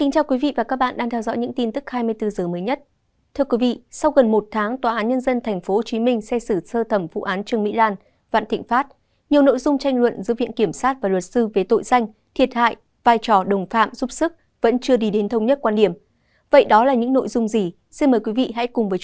chào mừng quý vị đến với bộ phim hãy nhớ like share và đăng ký kênh của chúng mình nhé